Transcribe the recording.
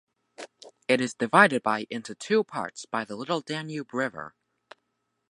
It is divided by into two parts by the Little Danube river.